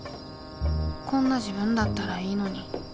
こんな自分だったらいいのに。